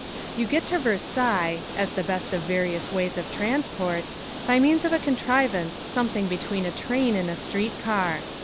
You get to Versailles as the best of various ways of transport by means of a contrivance something between a train and a street car.